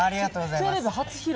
テレビ初披露？